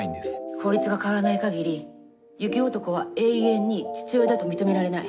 法律が変わらないかぎり雪男は永遠に父親だと認められない。